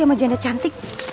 sama janda cantik